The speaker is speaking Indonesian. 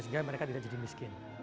sehingga mereka tidak jadi miskin